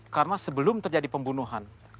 karena sebelum terjadi pembunuhan